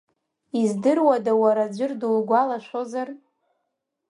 Издыруада, уара ӡәыр дугәалашәозар?